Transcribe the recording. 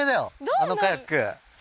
あのカヤック。